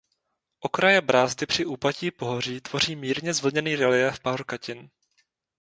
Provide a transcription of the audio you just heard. Okraje brázdy při úpatí pohoří tvoří mírně zvlněný reliéf pahorkatin.